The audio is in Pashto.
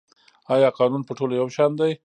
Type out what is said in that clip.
آیا قانون په ټولو یو شان دی؟